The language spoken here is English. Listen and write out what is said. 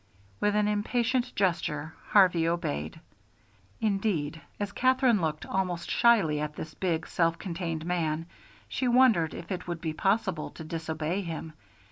With an impatient gesture Harvey obeyed. Indeed, as Katherine looked almost shyly at this big, self contained man she wondered if it would be possible to disobey him.